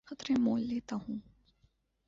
خطرے مول لیتا ہوں